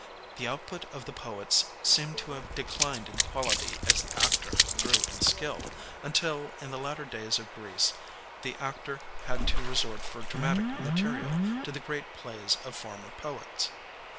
The output of the poets seems to have declined in quality as the actor grew in skill, until, in the latter days of Greece, the actor had to resort for dramatic material to the great plays of former poets.